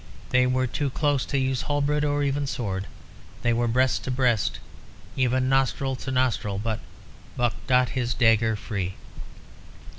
They were too close to use halberd or even sword; they were breast to breast, even nostrils to nostrils. But Buck got his dagger free.